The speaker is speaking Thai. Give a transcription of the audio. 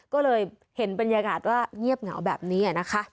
ก็เลยเห็นบรรยากาศว่าเงียบเหงาแบบนี้นะคะ